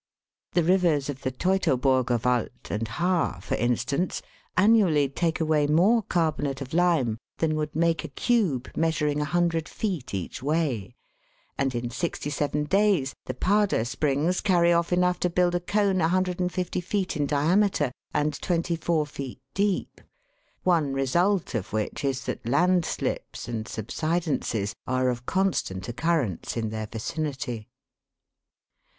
The rivers of the Teutoburger Wald and Haar, for in stance, annually take away more carbonate of lime than would make a cube measuring 100 feet each way ; and in sixty seven days the Pader springs carry off enough to build a cone 150 feet in diameter and twenty four feet deep ; one result of which is that landslips and subsidences are of con stant occurrence in their vicinity.